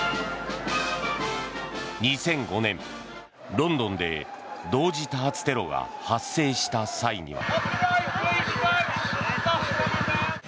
２００５年、ロンドンで同時多発テロが発生した際には。